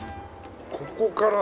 ここから。